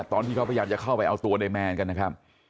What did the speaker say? ตอนที่เขาพยายามจะเข้าไปเอาตัวในแมนกันนะครับ